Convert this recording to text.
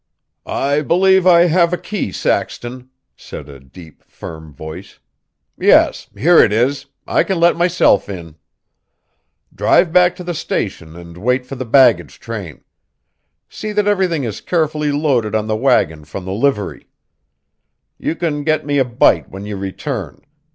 "I believe I have a key, Saxton," said a deep, firm voice; "yes: here it is, I can let myself in. Drive back to the station and wait for the baggage train. See that everything is carefully loaded on the wagon from the livery. You can get me a bite when you return.